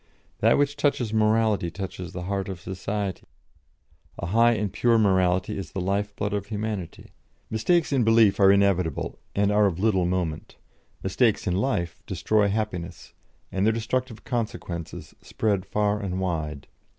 That which touches morality touches the heart of society; a high and pure morality is the life blood of humanity; mistakes in belief are inevitable, and are of little moment; mistakes in life destroy happiness, and their destructive consequences spread far and wide.